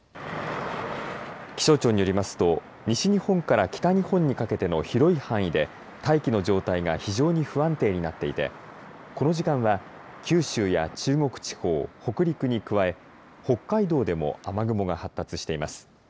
気象庁によりますと、西日本から北日本にかけての広い範囲で大気の状態が非常に不安定になっていてこの時間は九州や中国地方、北陸に加え北海道でも雨雲が発達しています。